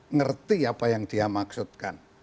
ngerti apa yang dia maksudkan